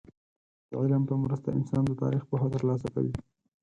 د علم په مرسته انسان د تاريخ پوهه ترلاسه کوي.